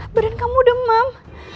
badan kamu demam